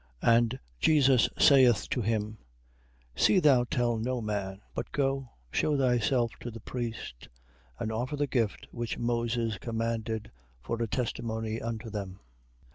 8:4. And Jesus saith to him: See thou tell no man: but go, shew thyself to the priest, and offer the gift which Moses commanded, for a testimony unto them.